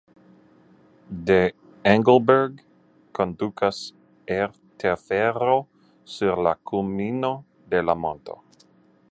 De Engelberg kondukas aertelfero sur la kulmino de la monto.